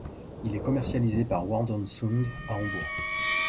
Il est commercialisé par Wordandsound à Hambourg.